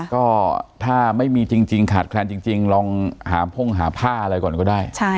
ก็ถ้าไม่มีจริงขาดแคลนจริงลองหาพ่งหาผ้าอะไรก่อนก็ได้